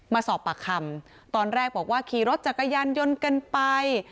มาสอบปากคำตอนแรกบอกว่าขี่รถจักรยานยนต์กันไป